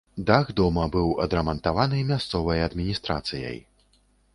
Дах дома быў адрамантаваны мясцовай адміністрацыяй.